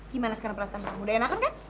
gimana sekarang perasaan kamu udah enakan kan